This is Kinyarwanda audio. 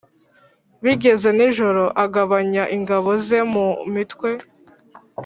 Bigeze nijoro agabanya ingabo ze mo imitwe